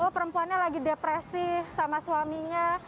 perempuannya lagi depresi sama suaminya